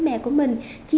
bà đang nghĩ gì